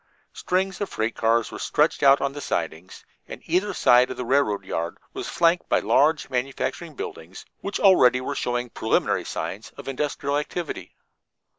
Strings of freight cars were stretched out on the sidings, and either side of the railroad yard was flanked by large manufacturing buildings, which already were showing preliminary signs of industrial activity.